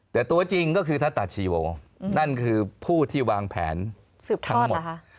แต่ตัวจริงก็คือทัศตาชีวงศ์นั่นคือผู้ที่วางแผนสืบทั้งหมด